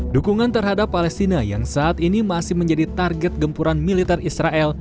dukungan terhadap palestina yang saat ini masih menjadi target gempuran militer israel